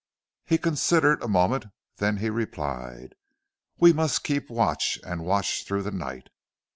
He considered a moment, then he replied: "We must keep watch and watch through the night.